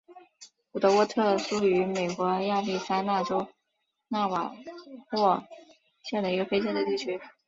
古德沃特是位于美国亚利桑那州纳瓦霍县的一个非建制地区。